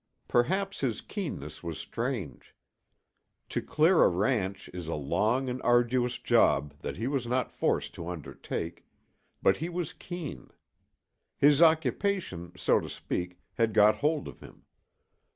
Perhaps his keenness was strange. To clear a ranch is a long and arduous job that he was not forced to undertake; but he was keen. His occupation, so to speak, had got hold of him.